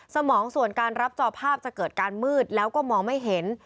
สมองส่วนการรับจอภาพจะเกิดการมืดแล้วก็มองไม่เห็น